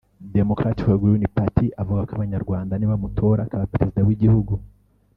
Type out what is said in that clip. Democratic Green Party avuga ko abanyarwanda nibamutora akaba Perezida w’Igihugu